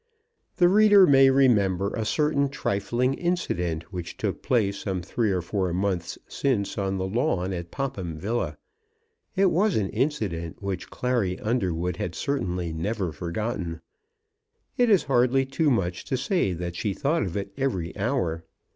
The reader may remember a certain trifling incident which took place some three or four months since on the lawn at Popham Villa. It was an incident which Clary Underwood had certainly never forgotten. It is hardly too much to say that she thought of it every hour.